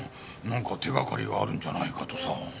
なんか手掛かりがあるんじゃないかとさ。